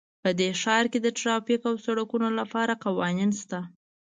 په دې ښار کې د ټرافیک او سړکونو لپاره قوانین شته